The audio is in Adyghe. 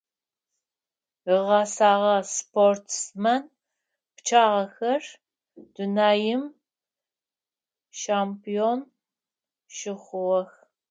Ыгъэсэгъэ спортсмен пчъагъэхэр дунаим чемпион щыхъугъэх.